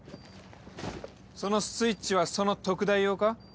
そのスイッチはその特大用か？